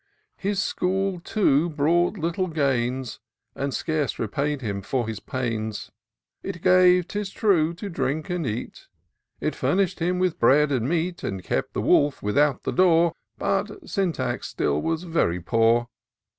His school too, brought but little gains. And scarce repaid him for his pains ; 216 TOUR OF DOCJOR SYNTAX It gave, 'tis true, to drink and eat, It fumish'd him with bread and meat. And kept the wolf without the door. But Syntax still was very poor.